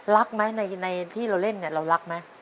รักไหมในที่เราเล่นเนี่ยเรารักไหม